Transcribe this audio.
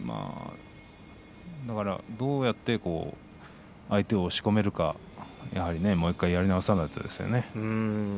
だからどうやって相手を押し込めるかやはりもう１回やり直さないとですね。